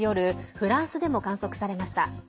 フランスでも観測されました。